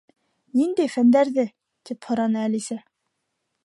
—Ниндәй фәндәрҙе? —тип һораны Әлисә.